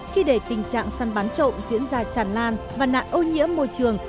khi để tình trạng săn bán trộm diễn ra tràn lan và nạn ô nhiễm môi trường